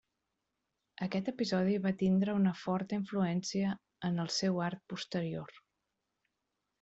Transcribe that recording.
Aquest episodi va tindre una forta influència en el seu art posterior.